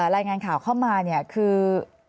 รายงานข่าวเข้ามาเนี่ยคือ